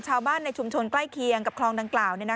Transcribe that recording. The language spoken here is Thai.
ชาวบ้านในชุมชนใกล้เคียงกับคลองดังกล่าว